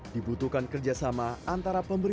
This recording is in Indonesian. dibutuhkan kerjasama antara pemerintahan pusat dan daerah